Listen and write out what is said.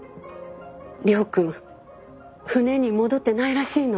亮君船に戻ってないらしいの。